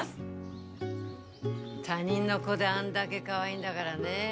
他人の子であんだげ、かわいいんだがらねえ。